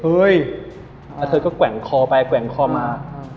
เฮ้ยแล้วเธอก็แกว่งคอไปแกว่งคอมา